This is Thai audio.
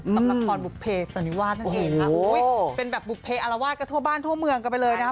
สำหรับละครบุภเพสันนิวาสนั่นเองค่ะโอ้ยเป็นแบบบุเพอารวาสกันทั่วบ้านทั่วเมืองกันไปเลยนะคะ